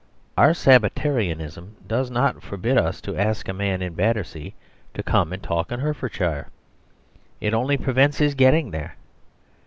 Our Sabbatarianism does not forbid us to ask a man in Battersea to come and talk in Hertfordshire; it only prevents his getting there.